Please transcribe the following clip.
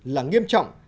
là nghiêm trọng